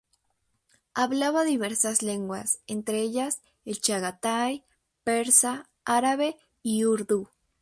Hablaba diversas lenguas, entre ellas: el Chagatai, persa, árabe y urdú.